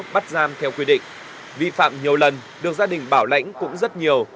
bắt giam theo quy định vi phạm nhiều lần được gia đình bảo lãnh cũng rất nhiều